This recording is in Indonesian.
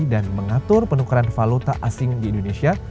dan mengatur penukaran valuta asing di indonesia